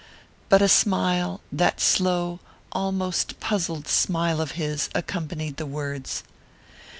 But a smile that slow, almost puzzled smile of his accompanied the words.